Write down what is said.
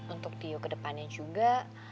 untuk tio kedepannya juga